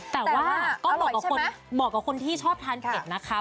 แต่ว่าก็บอกกับคนที่ชอบทานเผ็ดนะคะ